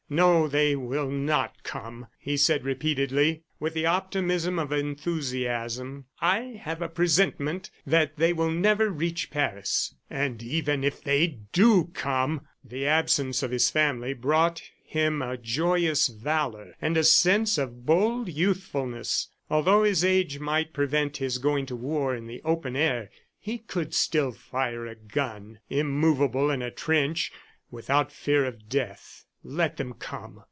"No, they will not come," he said repeatedly, with the optimism of enthusiasm. "I have a presentiment that they will never reach Paris. And even if they DO come!" ... The absence of his family brought him a joyous valor and a sense of bold youthfulness. Although his age might prevent his going to war in the open air, he could still fire a gun, immovable in a trench, without fear of death. Let them come!